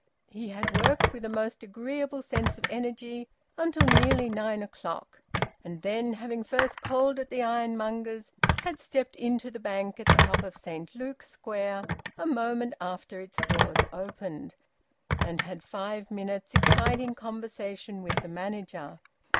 He had worked with a most agreeable sense of energy until nearly nine o'clock; and then, having first called at the ironmonger's, had stepped into the bank at the top of Saint Luke's Square a moment after its doors opened, and had five minutes' exciting conversation with the manager.